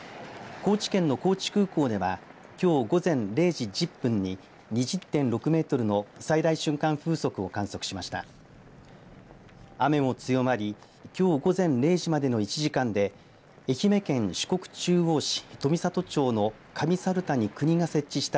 高知県の高知空港ではきょう午前０時１０分に２０．６メートルの最大瞬間風速を観測しました。